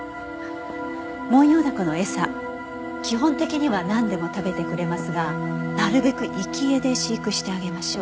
「モンヨウダコの餌」「基本的には何でも食べてくれますがなるべく生き餌で飼育してあげましょう」